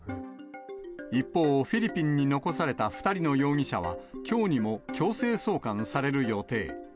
一方、フィリピンに残された２人の容疑者は、きょうにも強制送還される予定。